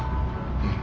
うん。